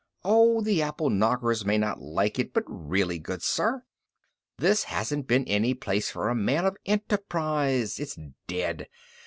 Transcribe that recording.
"Oh, the apple knockers may not like it, but really, good sir, this hasn't been any place for a man of enterprise. It's dead.